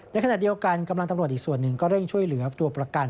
ในขณะเดียวกันกำลังตำรวจอีกส่วนหนึ่งก็เร่งช่วยเหลือตัวประกัน